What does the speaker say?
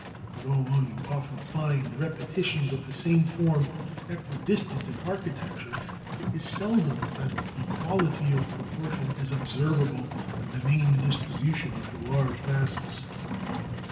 But although you often find repetitions of the same forms equidistant in architecture, it is seldom that equality of proportion is observable in the main distribution of the large masses.